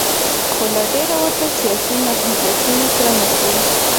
خو له ډېرو ورته سیاسي محدودیتونو سره مخ و.